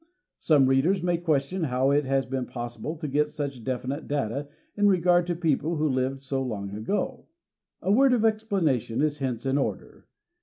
Some readers may question how it has been possible to get such definite data in regard to people who lived so long ago. A word of explanation is hence in order.